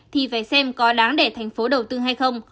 thì phải xem có đáng để thành phố đầu tư hay không